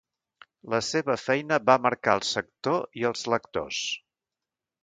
La seva feina va marcar el sector i els lectors.